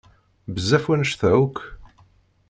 Bezzaf wanect-a akk.